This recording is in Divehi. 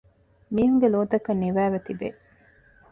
މީހުންގެ ލޯތަކަށް ނިވައިވެ ތިބޭ